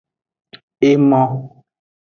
Emo.